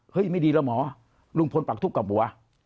เฮ้ยไม่ดีแล้วหมอลุงพลปากทูปกับบัว